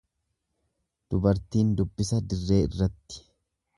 Dubartiin dubbisa dirree irratti.